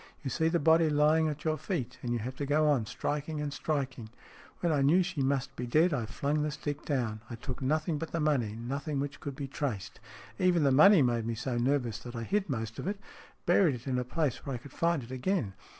You see the body lying at your feet, and you have to go on striking and striking. When I knew she must be dead, I flung the stick down. I took nothing but the money, nothing which could be traced. Even the money made me so nervous that I hid most of it buried it in a place where I could find it again.